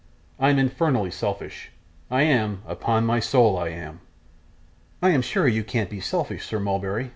I'm infernal selfish; I am upon my soul I am.' 'I am sure you can't be selfish, Sir Mulberry!